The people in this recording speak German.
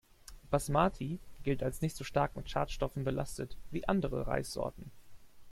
Basmati gilt als nicht so stark mit Schadstoffen belastet wie andere Reissorten.